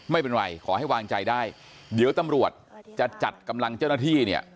ไม่เป็นไรขอให้วางใจได้เดี๋ยวตำรวจจะจัดกำลังเจ้าหน้าที่เนี่ย